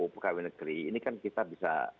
pegawai negeri ini kan kita bisa